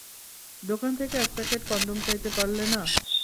দোকান থেকে এক প্যাকেট কনডম চাইতে পারলে না।